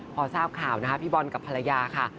พอทราบข่าวนะคะพี่บอลกับภรรยาค่ะ